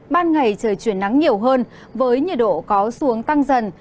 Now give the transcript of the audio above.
ban ngày trời chuyển nắng nhiều hơn với nhiệt độ có xuống tăng dần